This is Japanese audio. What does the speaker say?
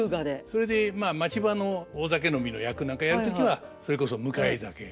それで町場の大酒飲みの役なんかやる時はそれこそ迎え酒。